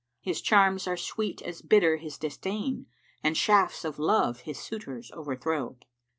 His charms are sweet as bitter his disdain; * And shafts of love his suitors overthrow.